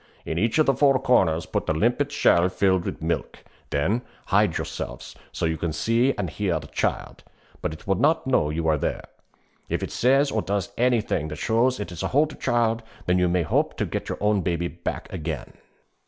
In each of the four corners put a limpet shell filled with milk. Then hide yourselves, so you can see and hear the child, but it will not know you are there. If it says or does anything that shows it is a Hulderchild, then you may hope to get your own baby back again.'